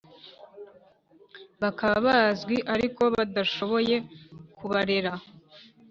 Bakaba bazwi ariko badashoboye kubarera